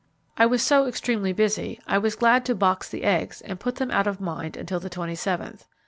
I was so extremely busy, I was glad to box the eggs, and put them out of mind until the twenty seventh.